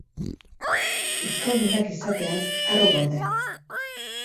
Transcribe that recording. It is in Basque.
Euskaldunak izateaz arro gaude!